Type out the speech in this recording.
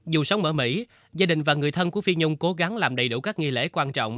dù sống ở mỹ gia đình và người thân của phi nhung cố gắng làm đầy đủ các nghi lễ quan trọng